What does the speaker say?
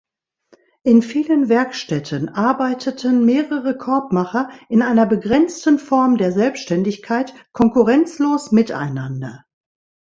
In vielen Werkstätten arbeiteten mehrere Korbmacher in einer begrenzten Form der Selbständigkeit konkurrenzlos miteinander.